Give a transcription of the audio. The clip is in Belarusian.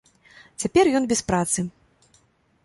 Цяпер ён без працы.